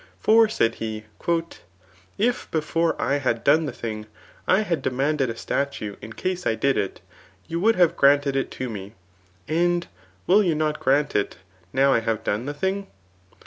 For said he, ^* If before I had done the thing, I had demanded a statue in case I did it, you would have granted it to me, and will you not grant, it, now I have done the thing